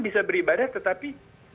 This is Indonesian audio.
bisa beribadah tetapi